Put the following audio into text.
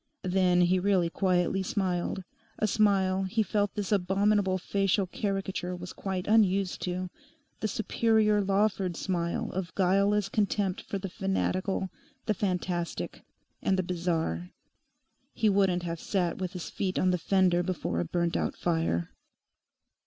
Then he really quietly smiled, a smile he felt this abominable facial caricature was quite unused to, the superior Lawford smile of guileless contempt for the fanatical, the fantastic, and the bizarre: He wouldn't have sat with his feet on the fender before a burnt out fire.